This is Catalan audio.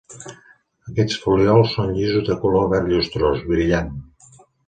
Aquests folíols són llisos de color verd llustrós, brillant.